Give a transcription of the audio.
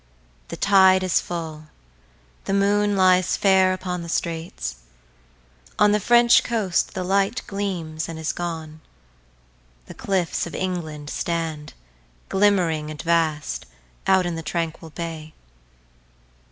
The tide is full, the moon lies fairUpon the straits;—on the French coast the lightGleams and is gone; the cliffs of England stand, Glimmering and vast, out in the tranquil bay.